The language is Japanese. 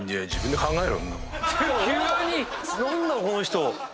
この人。